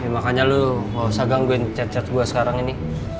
makanya lu gak usah gangguin cat cat gue sekarang ini